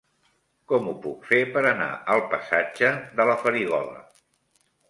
Com ho puc fer per anar al passatge de la Farigola?